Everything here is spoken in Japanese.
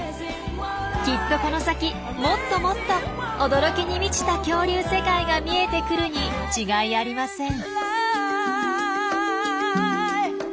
きっとこの先もっともっと驚きに満ちた恐竜世界が見えてくるに違いありません！